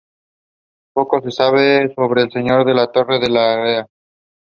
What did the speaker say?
Van Vleuten subsequently started the World Championships after surgery on her wrist.